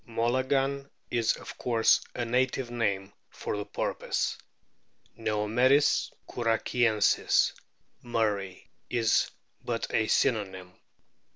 " Molaran ' is of course a native name for the o porpoise. Neomeris knrrachiensis, Murray,* is but a synonym.